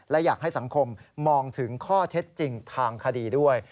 และอยากให้สังคมมองถึงข้อเท็จจริงทางคดีด้วย